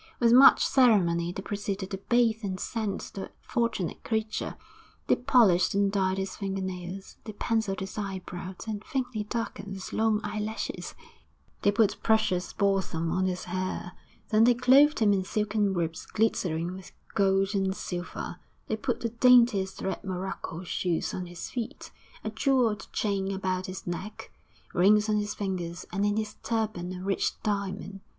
With much ceremony they proceeded to bathe and scent the fortunate creature; they polished and dyed his finger nails; they pencilled his eyebrows and faintly darkened his long eyelashes; they put precious balsam on his hair; then they clothed him in silken robes glittering with gold and silver; they put the daintiest red morocco shoes on his feet, a jewelled chain about his neck, rings on his fingers, and in his turban a rich diamond.